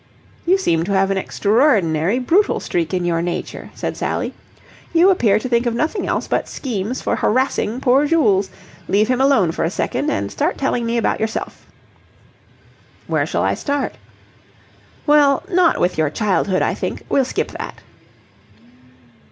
"You seem to have an extraordinary brutal streak in your nature," said Sally. "You appear to think of nothing else but schemes for harassing poor Jules. Leave him alone for a second, and start telling me about yourself." "Where shall I start?" "Well, not with your childhood, I think. We'll skip that."